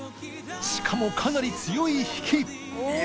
しかもかなり強い引き！）